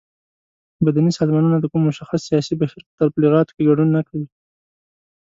مدني سازمانونه د کوم مشخص سیاسي بهیر په تبلیغاتو کې ګډون نه کوي.